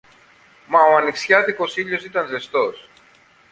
Μα ο ανοιξιάτικος ήλιος ήταν ζεστός